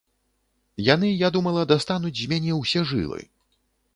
Яны, я думала, дастануць з мяне ўсе жылы.